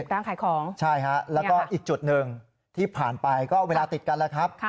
ร้านขายของใช่ฮะแล้วก็อีกจุดหนึ่งที่ผ่านไปก็เวลาติดกันแล้วครับ